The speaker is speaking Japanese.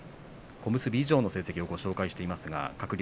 小結以上の成績をご紹介しています。